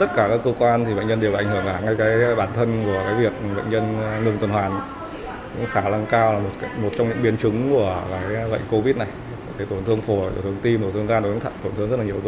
tổn thương phổ tổn thương tim tổn thương gan tổn thương rất nhiều